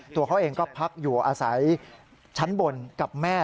ตัวเขาเองก็พักอยู่อาศัยชั้นบนกับแม่